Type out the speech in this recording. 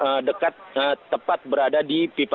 sedangkan pipa gas yang bocor tepat berada di pancoran